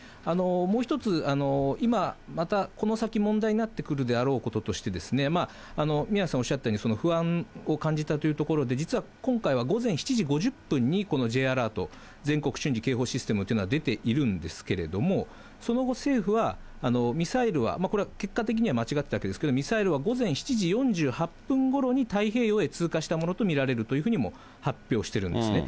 もう１つ、今、またこの先問題になってくるであろうこととして、宮根さんおっしゃったように、不安を感じたというところで、実は今回は午前７時５０分にこのＪアラート・全国瞬時警報システムというのが出ているんですけれども、その後、政府はミサイルは、これは結果的には間違ってたわけですけれども、ミサイルは午前７時４８分ごろに太平洋へ通過したものと見られるというふうにも発表しているんですね。